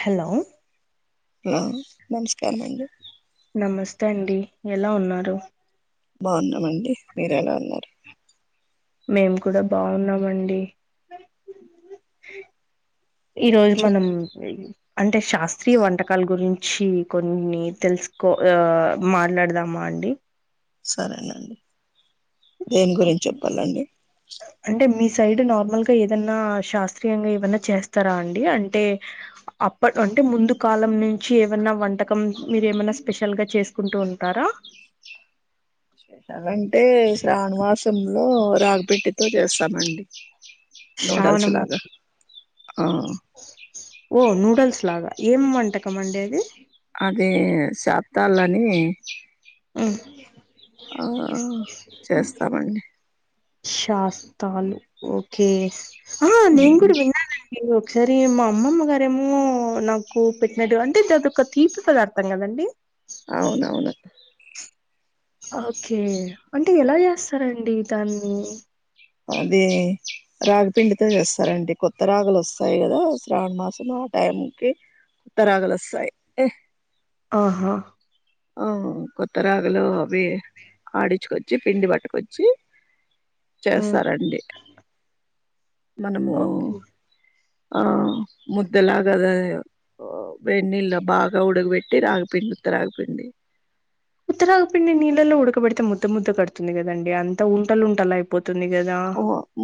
Hello hello నమస్కారం అండి నమస్తే అండి ఎలా ఉన్నారు బాగున్నామండి మీరు ఎలా ఉన్నారు మేము కూడా బాగున్నామండి ఈ రోజు చెప్ మనం అంటే శాస్త్రీయ వంటకాల గురించి కొన్ని తెలుసుకో ఆ మాట్లాడదామా అండి సరేనండి దేని గురించి ఓకే, చెప్పాలండి అంటే మీ సైడ్ నార్మల్ గా ఏదన్నా శాస్త్రీయంగా ఏవన్నా చేస్తారా అండి అంటే అప్పడు అంటే ముందు కాలం నుంచి ఏమైన్నా వంటకం మీరు ఏమైన్నా స్పెషల్ గా చేసుకుంటూ ఉంటారా స్పెషల్ అంటే శ్రావణమాసంలో రాగి పిండితో చేస్తామండి నూడల్స్ శ్రావణమా లాగా ఆ ఓ నూడల్స్ లాగా ఏం వంటకం అండి అది అది సాద్దాలని ఉం ఆ చేస్తామండి శాస్తలు ఓకే ఆ నేను ఉమ్, కూడా విన్నానండీ ఇ ఒకసారి మా అమ్మమ్మ గారేమో నాకు పెట్టినట్టు అంటేదో ఒక తీపి పదార్థం కదండి అవునవును ఓకే అంటే ఎలా చేస్తారండి దాన్ని అది రాగీపిండితో చేస్తారండి కొత్త రాగులు వస్తాయి కదా శ్రావణ్ మాసం లో ఆ టైం కి కొత్త రాగులు వస్తాయి ఆహా ఆ కొత్త రాగలు అవి ఆడిచుకో చ్చి పిండి పట్టుకొచ్చి మ్మ్ చేస్తారండి మనము ఓకే ఆ ముద్దలాగ ఓ వేడి నీళ్లలో బాగా ఉడగబెట్టి రాగిపిండి ఉత్త రాగీ పిండి ఉత్త రాగీ పిండి నీళ్ళలో ఉడకబడితే ముద్ద ముద్ద కడుతుంది కదండి అంతా ఉంటలు ఉంటలు అయిపోతుంది కదా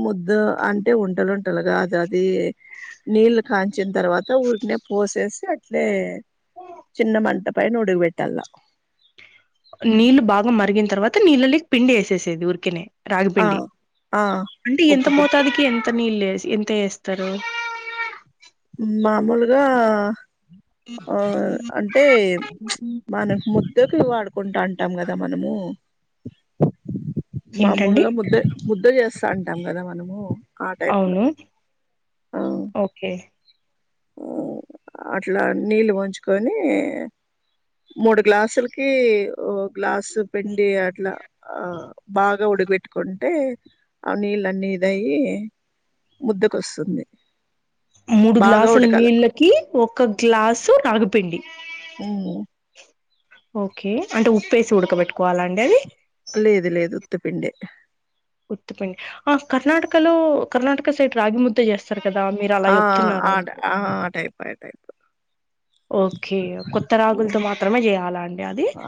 ముద్ద అంటే ఉంటలుంటలు కాదు అది నీళ్ళు కాంచిన తర్వాత ఊరికినే పోసేసి అట్లే చిన్న మంట పైన ఉడకబెట్టల నీళ్ళు బాగా మరిగిన తర్వాత నీళ్ళకి పిండి వేసేసేది ఉరికినే ఆ రాగిపిండి ఆ అంటే కుప్పు ఎంత కుప్పు మోతాదికి ఎంత నీళ్ళు ఎంత వేస్తారు మామూలుగా ఆ అంటే మన ము ద్దకి వాడుకుంటంటాం కదా మనము ఏంటండి మామూలుగా ముద్ద ముద్ద చేస్తాంటాం కదా మనము ఆ టైప్ లో అవును ఓకే ఉమ్ అట్లా నీళ్ళు వంచుకొని మూడు గ్లాసులకి ఓ గ్లాసు పిండి అట్లా ఆ బాగా ఉడకపెట్టు కుంటే ఆ నీళ్లన్నీ ఇదయ్యి ముద్దకొస్తుంది మూడు బాగా గ్లాసుల ఉడకాల నీళ్ళకి ఒక గ్లాసు రాగిపిండి ఉమ్మ్ ఓకే అంటే ఉప్పేసి ఉడకబెట్టుకోవాలాండి అది లేదు లేదు ఉత్తిపిండే ఉత్తిపిండి ఆ కర్ణాటకలో కర్ణాటక సైట్ రాగి ముద్ద చే స్తారు కదా మీరు అలా ఆ ఆ ట చెప్తున్నారండి ఆ టైప్ ఆ టైప్ ఓకే కొత్త హ్మ్. రాగులతో మాత్రమే చేయాలా అండి అది ఆ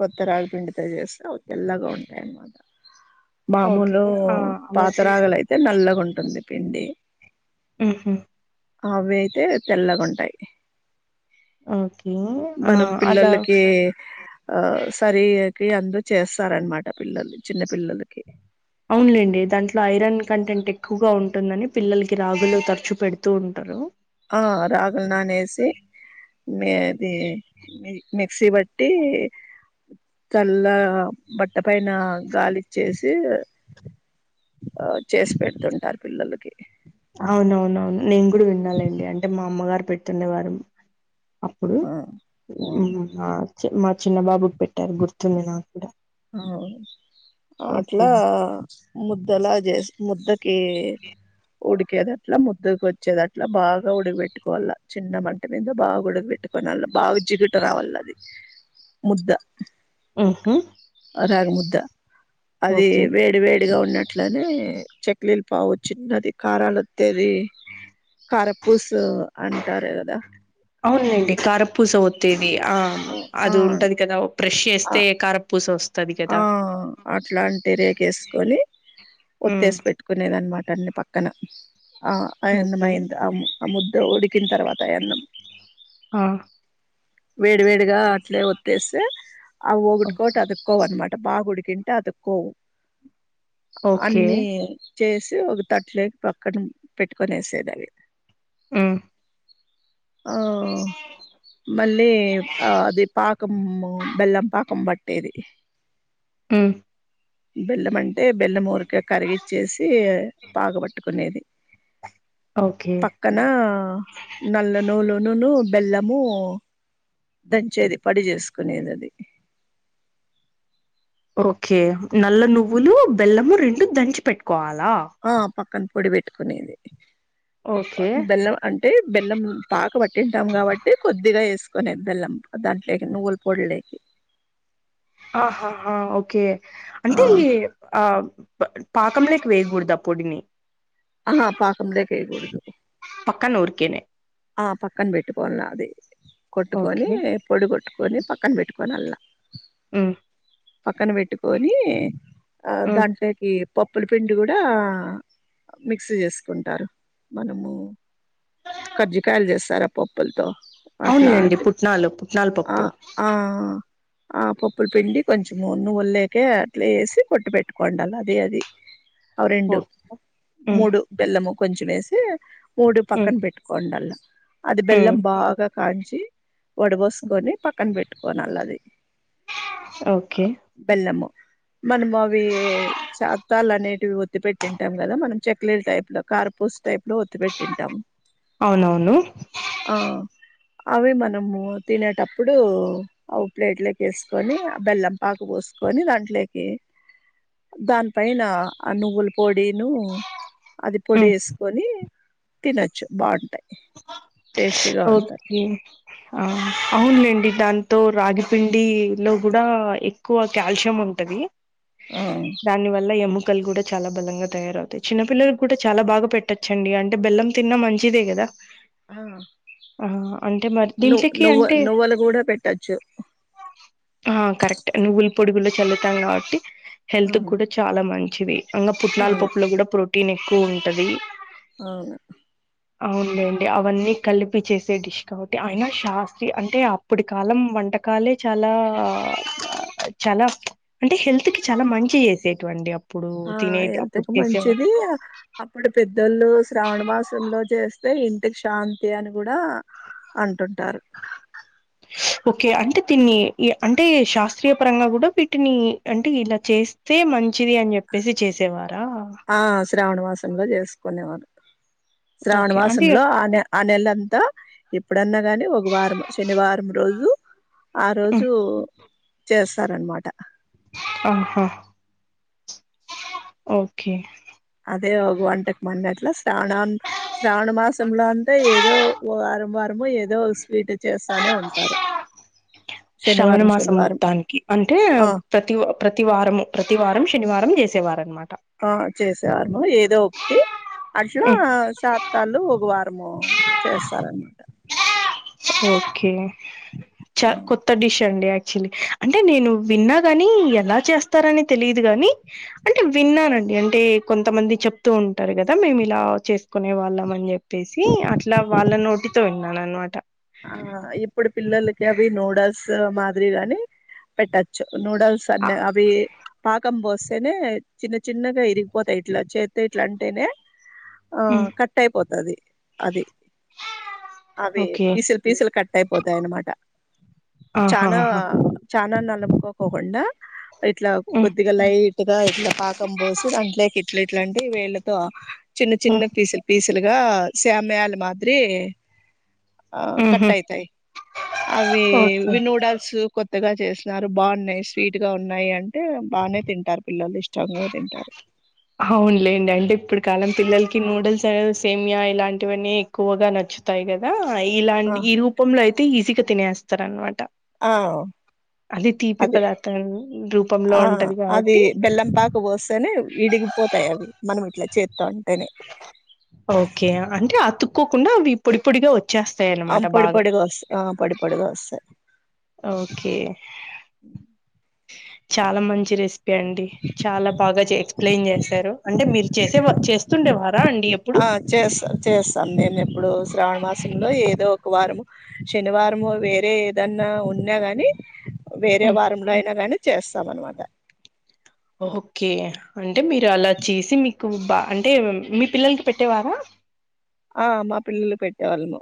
కొత్త రాగిపిండితో చేస్తే అవి తేల్లాగా ఉంటాయి అనమాట ఓకే మామూలు ఆ అలా పాత చేసి రాగులయితే నల్లగా ఉంటుంది పిండి మ్మ్ఉహ్మ్ అవి అయితే తెల్లగుంటాయి ఓకే ఆ మనం అలా పిల్లలకి ఆ సరికి అందు చేస్తారనమాట పిల్లలు చిన్న పిల్లలకి అవునులేండి దాంట్లో ఐరన్ కంటెంట్ ఎక్కువగా ఉంటుందని పిల్లలకి రాగులు తరచు పెడుతూ ఉంటారు ఆ రాగులు నానేసి మి ఇది మిక్సీ బట్టి తెల్ల బట్ట పైన గాలిచ్చే సి ఆ చేసి పెడుతుంటారు పిల్లలకి అవునవునవును నేను కూడా వినాలేండి అంటే మా అమ్మగారు పెడుతుండేవారు అప్పుడు ఆ మా చిన్న బాబుకి పెట్టారు గుర్తుంది నాకు కూడా అవును అ ఓకే అట్లా ముద్దలా చేసి ముద్దకి ఇ ఉడికేదట్లా ముద్దుకు వచ్చేదట్లా బాగా ఉడక పెట్టుకోవాల చిన్న మంట మీద బాగా ఉడకబె టుకునల్ల బాగ జిగుట రావలది ముద్ద మ్మ్ఉమ్మ్ రాగిముద్ద అది ఓకే వేడి వేడిగా ఉన్న ట్లనే చెక్లీలు పావు చిన్నది కారాలొత్తేది కరపూసు అంటారు కదా అవును లేండి కారపూస ఓ త్తేది ఆ ఆ అది ఉంటాది కదా ప్రెస్ ఆ చేస్తే కారపూస వస్తది కదా ఆ అట్లాంటి రేకేసుకొని ఉమ్ ఒత్తేసి పెట్టు కునేదినమాట అన్ని పక్కన ఆ ఓకే అన్నమైందా ఆ ముద్ద ఉడికిన తర్వాత ఆ యన్నం ఆ వేడి వేడిగా అట్లే ఒత్తేసే ఆ ఒకొటికి ఒకటి అతు క్కోవు అనమాట బాగా ఉండికింటే అతుక్కోవు ఓకే అన్నీ చేసి ఒక తట్లేట్ పక్కన పెట్టుకొనేసేది అవి. ఉ ఆ మళ్ళీ ఆ అది పాకం బెల్లం పాకం బ ట్టేది. ఉ బెల్లం అంటే బెల్లం ఊరికే కరిగిచ్చేసి పాగ పట్టుకునేది. ఓకే క్కనా నల్ల నువ్వులులునూ, బెల్లము దంచేది పొడి చేసుకునేది అది. ఓకే నల్ల నువ్వులు, బెల్లము రెండు దంచి పెట్టుకోవాలా. ఆ పక్కన పొడి పెట్టుకునేది, ఓకే బెల్లం అంటే బెల్లం పాక పట్టింటాం కాబట్టి కొద్దిగా ఎసుకునేది బెల్లం దాంట్లోకి నువ్వుల పొడిలోకి. ఆహాహ ఓకే ఆ అంటే ఈ ఆ పాకంలోకి వేయకూడదు ఆ పొడిని. ఆహా పాకంలోకి వేయకూడదు. పక్కన ఊరికేనే ఆ పక్కన పెట్టుకోవాల అది కొట్టుకొని ఓకే పొడి కొట్టుకొని పక్కన పెట్టుకొని అల్లా హ్ పక్కన పెట్టుకొని ఆ ఉమ్ దాంట్లోకి పప్పుల పిండి కూడా మిక్సి చేసుకుంటారు, మనము కర్జికాయలు చేస్తారు ఆ పప్పులతో అవునులేండి అట్లాంటి పుట్నాలు పుట్నాల ఆ పప్పు ఆ ఆ పప్పుల పిండి కొంచెం నువ్వులోకి అట్లా ఏసి కొట్టి పెట్టుకొండాల అదే అది అవి రెండు, ఓకే ఉమ్ మూడు బెల్లము కొంచెం ఏసి మూడు ఉమ్ పక్కన పెట్టు కొండల్లా అది ఉమ్ బెల్లం బాగా కాంచి వడ పోసుకొని పక్కన పెట్ కోనాలది. ఓకే బెల్లము మనము అవీ చాత్తాలు అనేటివి ఒత్తిపెట్టింటాం కదా మనం చెక్లిల టైప్ లో కార్పూస టైప్లో ఒత్తి పెట్టింటాము. అవునవును. ఆ అవి మనము తినేటప్పుడు ఓ ప్లేట్లోకి ఏసుకొని, ఆ బెల్లం పాక పోసుకొని దాంట్లోకి దాని పైన ఆ నువ్వుల పొడిను అది పొడి ఉమ్ వేసుకొని తినొచ్చు బావుం ఓకే ఆ అవలేండి దాంతో రాగిపిండి లో కూడా ఎ ఎక్కువ కాల్షియం ఉంటది ఆ దాని వల్ల ఎము కలు కూడా చాలా బలంగా తయారవుతాయి. చిన్న పిల్లలకు కూడా చాలా బాగా పెట్టచ్చండి అంటే బెల్లం తిన్నా మంచిదే కదా. ఆ ఆ అంటే మరి ను దీంట్లోకి నువ్వ అంటే నువ్వలు కూడా పెట్టచ్చు. ఆ కరెక్ట్ నువ్వుల పొడికూడా చల్లుతాం కాబట్టి హెల్త్ అవును కూడా చాలా మంచిది ఇంగా పుట్నాల పప్పులు కూడా ప్రోటీన్ ఎక్కువ ఉంటది, అవును అవును లేండి అవన్నీ కలిపి చేసే డిష్ కాబట్టి అయిన శాస్త్రి అంటే అప్పుటి కాలం వంట కాలే చాలా చాలా అంటే హెల్త్ కి చాలా మంచి చేసేటువండి అప్ ఆ హెల్త్ కి మంచిది అప్పుడు పెద్దోళ్ళు శ్రావణ మాసంలో చేస్తే ఇంటికి శాంతి అని కూడా అంటుంటారు ఓకే అంటే దీన్ని అంటే శాస్త్రీయ పరంగా కూడా వీటిని అంటే ఇలా చేస్ తే మంచిది అని చెప్పేసి చేసేవారా శ్రావణమాసంలో చేసుకునేవారు ఓకే. అంటే శ్రావణవాసంలో ఆనే ఆ నెలంతా ఎప్పుడన్నా గాని ఒక వారం శనివారం రోజు ఆ హ్మ్. రోజు చేస్తారనమాట ఆహా ఓకే అదే ఒగ వంటకమన్నట్లా శ్రావణం శ్రావణ మాసంలో అన్ త ఏదో వారం వారము ఏదో ఒగ స్వీట్ చేస్తానే ఉంటారు శ్రావణ శనివారం మాసం శనివారం మొత్తానికి అంటే ఆ ప్రతి ప్రతివారము ప్రతివారం శనివారం చేసేవారనమాట ఆ చేసేవారము ఏదో ఒకటి అట్లా హ్మ్. సా తల్లు ఒక వారము చేస్తారనమాట ఓకే చ కొత్త డిష్ అండి ఐ అంటే నేను విన్నా గాని ఎలా చేస్తారని తెలియదు గాని అంటే విన్నానండి అంటే కొంతమంది చెప్తూ ఉంటారు కదా మేము ఇలా చేస్త్ కొనే వాళ్ళం అని చెప్పేసి అట్లా వాళ్ళ నోటితో విన్నాను అనమాట ఆ ఇప్పుడి పిల్లలకి అవి నూడల్స్ మాదిరి గాని పెట్టచ్ చ్చు నూడల్స్ ఆ! అన్న అవి పాకం పోస్తేనే చిన్న చిన్నగా ఇరిగిపోతాయ్ ఇట్లా చేత్ ఇట్లా అంటేనే ఆ హ్మ్. కట్ అయిపోతది అది అవి ఓకే పీసులు పీసులు కట్ అయిపోతాయనమాట చానా ఆహాహా చానా నలుపుకోకోకుండా ఇట్లా కొద్దిగా లైట్ గా ఇట్లా పాకం పోసి దాంట్లోకి ఇట్ల ఇట్లాంటే వేళ్ళతో చిన్న ఉహు చిన్న పీసులు పీసులుగా స్యామియాలు మాదిరి ఆ కట్ ఐతాయ్ అవి ఓకే వి నూడల్స్ కొ త్తగా చేసినారు బాగున్నాయి స్వీట్ గా ఉన్నాయి అంటే బానే తింటారు పిల్లలు ఇష్టంగా తింటారు అవునులేండి అంటే ఇప్పుడు కాలం పిల్లలకి నూడుల్స్ ఆ సేమియా ఇలాంటివన్నీ ఎక్కువగా నచ్చుత్ తాయి కదా ఆ ఇలాంటి ఈ రూపంలో అయితే ఈజీగా తినేస్తారనమాట ఆ అది తీపి పదార్థం రూపంలో ఆ ఉంటది అది కాబట్టి బెల్లం పాక పోస్తేనే ఇడిగిపోతాయి అవి మనం ఇట్లా చేత్తో అంటేనే ఓకే అంటే అతుక్కోకుండా అవి పొడి పొడిగా ఓచ్ చేస్తాయి ఆమ్ పొడి పొడిగా వస్తా ఆ పొడి పొడిగా వస్తాయి ఓకే చాలా మంచి రెసి పి అండి చాలా బాగా ఎక్స్ప్లెయిన్ చేశారు అంటే మీరు చేసేవార్ చేస్తుండే వార్ రా అండి ఎప్పుడు ఆ చేస్తా చేస్తాన్ నేను ఎప్పుడు శ్రావణ మాసంలో ఏదో ఒక్ వారము శనివారంము వేరే ఏదన్నా ఉన్ యినా గాని వేరే హ్మ్. వారంలో అయినా గాని చేస్తాం అనమాట ఓకే అంటే మీరు అలా చేసి మీకు బా అంటే మీ పిల్లలకి పెట్టేవారా ఆ మా పిల్లలకు పెట్టేవాళ్ళము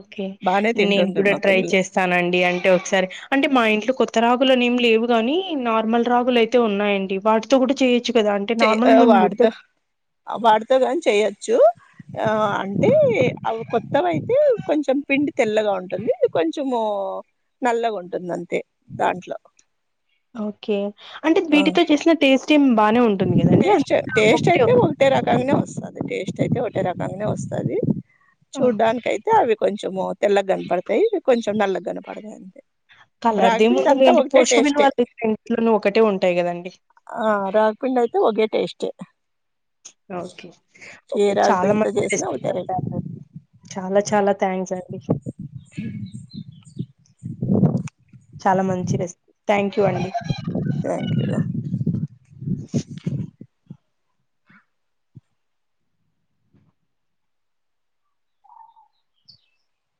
ఓకే బానే నేను తింటుండ్రు కూడా మా ట్రై పిల్లలు చేస్ స్తానండి అంటే ఒకసారి అంటే మా ఇంట్లో కొత్త రాగులనేమి లేవు గాని నార్మల్ రాగులై తే ఉన్నాయండి వాటితో కూడా చేయొచ్చు కదా అం చ్ వాటితో ఆ వాటితో కాని చెయ్యొచ్చు ఆ అంటే అవి కొత్తవయితే కొంచెం పిండి తెల్లగా ఉంటుంది ఇది కొంచెము నల్లగా ఉంటుంది అంతే దాంట్లో ఓకే అంటే ఆ వీటితో చేసిన టేస్ట్ ఏం బానే ఉంటుంది కదండి టేస్ట్ అ టేస్ట్ ఒకటే అయితే ఒకటే రకంగానేే వస్తది టేస్ట్ అయితే ఒకటే రకంగానే వస్తది ఆ! చూడ్డానికైతే అవి కొంచెము తెల్లగా కనపడుతాయి ఇవి కొంచెం నల్లగ కనపడుతాయి అంతే రాగిపిండి కళ్ళర్దేముంది అంతా లేంటి ఒకటే పోషక టేస్టే విలువల్ దంట్లోను ఒకటే ఉంటాయి కదండి ఆ రఘపిిండి అయితే ఒకే టేస్ట్ ఓకే ే చాలా రాగిపిండితో మంచి చేసినా రేసీపీ ఒకటే చెప్పారు చాలా చాలా థ్యాంక్స్ అండి చాలా మంచి రేసిపి థ్యాంక్ యూ అండి థ్యాంక్ యూ